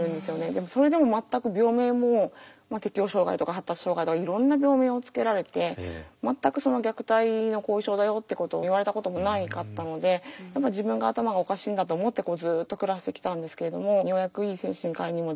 でもそれでも全く病名も適応障害とか発達障害とかいろんな病名を付けられて全く虐待の後遺症だよっていうことを言われたこともなかったのでやっぱ自分が頭がおかしいんだと思ってずっと暮らしてきたんですけれどもようやくいい精神科医にも出会いまして